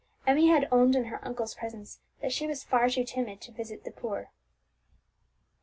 Emmie had owned in her uncle's presence that she was far too timid to visit the poor.